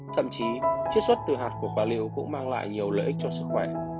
thậm chí chất xuất từ hạt của quả rượu cũng mang lại nhiều lợi ích cho sức khỏe